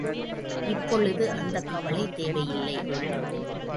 இப்பொழுது அந்தக் கவலை தேவையில்லை.